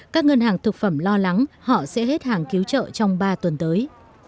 các ngân hàng thực phẩm lo lắng họ sẽ hết hàng cứu trợ trong ba tuần tới